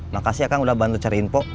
makasih ya kang udah bantu cari info